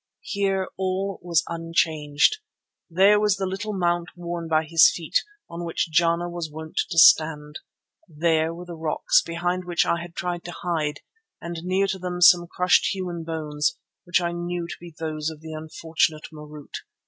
Here all was unchanged. There was the little mount worn by his feet, on which Jana was wont to stand. There were the rocks behind which I had tried to hide, and near to them some crushed human bones which I knew to be those of the unfortunate Marût.